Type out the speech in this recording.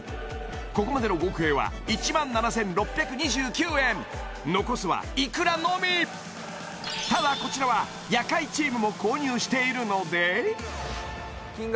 ここまでの合計は１７６２９円残すはいくらのみただこちらは夜会チームも購入しているのであー